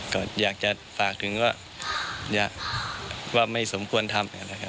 ก็อยากจะฝากถึงว่าไม่สมควรทำ